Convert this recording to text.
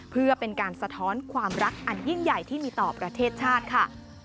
เพื่อเป็นการสะท้อนความรักอันยิ่งใหญ่ที่มีต่อประเทศชาติค่ะ